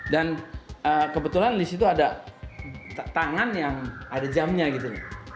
dan kebetulan di situ ada tangan yang ada jamnya gitu